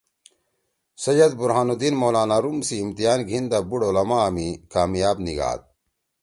سید برہان الدین مولانا روم سی امتحان گھیِن دا بُوڑ علما می کامیاب نیِگھاد۔